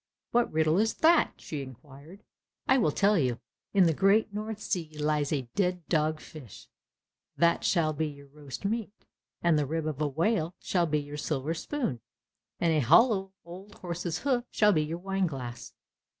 "What riddle is that?" she inquired. "I will tell you. In the great North Sea lies a dead dog fish, that shall be your roast meat, and the rib of a whale shall be your silver spoon, and a hollow old horse's hoof shall be your wine glass."